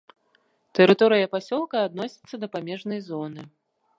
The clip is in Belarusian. Тэрыторыя пасёлка адносіцца да памежнай зоны.